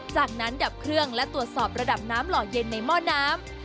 จากนั้นดับเครื่องและตรวจสอบระดับน้ำหล่อเย็นในหม้อน้ำ